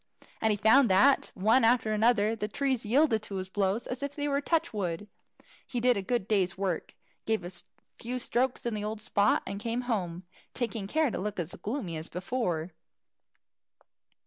And he found that, one after another, the trees yielded to his blows as if they were touch wood. He did a good day's work, gave a few strokes in the old spot, and came home, taking care to look as gloomy as before.